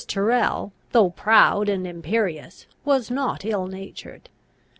Tyrrel, though proud and imperious, was not ill natured.